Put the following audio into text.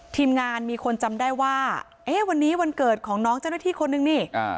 ทีมงานมีคนจำได้ว่าเอ๊ะวันนี้วันเกิดของน้องเจ้าหน้าที่คนนึงนี่